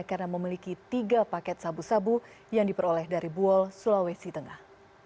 karena memiliki tiga paket sabu sabu yang diperoleh dari buol sulawesi tengah